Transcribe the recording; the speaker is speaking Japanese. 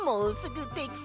んできた！